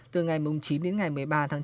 từ ngày chín đến ngày một mươi ba tháng chín